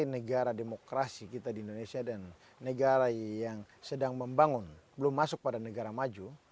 negara demokrasi kita di indonesia dan negara yang sedang membangun belum masuk pada negara maju